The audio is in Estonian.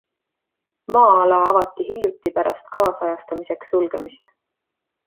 Maa-ala avati hiljuti pärast kaasajastamiseks sulgemist.